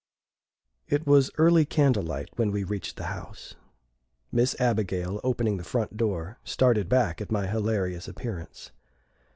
It was early candle light when we reached the house. Miss Abigail, opening the front door, started back at my hilarious appearance.